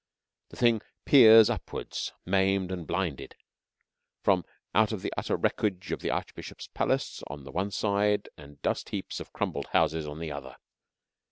The thing peers upward, maimed and blinded, from out of the utter wreckage of the Archbishop's palace on the one side and dust heaps of crumbled houses on the other.